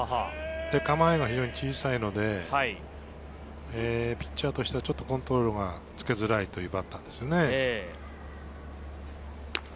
構えが非常に小さいので、ピッチャーとしてはちょっとコントロールがしづらいというか。